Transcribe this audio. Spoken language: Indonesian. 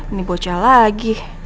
ini bocah lagi